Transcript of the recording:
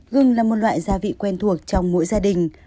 gừng là một loại gia vị quen thuộc trong mỗi gia đình